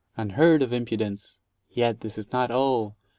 Unheard of impudence! Yet this is not all.